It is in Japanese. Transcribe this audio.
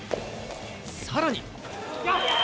さらに。